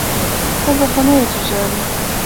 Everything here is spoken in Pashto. ښځه خو نه یې چې ژاړې!